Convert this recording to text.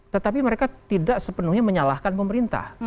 tetapi mereka tidak sepenuhnya menyalahkan pemerintah